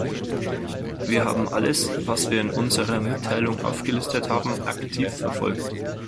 Wir haben alles, was wir in unserer Mitteilung aufgelistet haben, aktiv verfolgt.